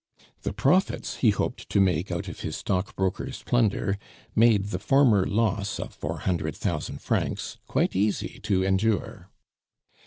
The profits he hoped to make out of his stockbrokers' plunder made the former loss of four hundred thousand francs quite easy to endure.